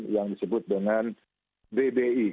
yang disebut dengan dbi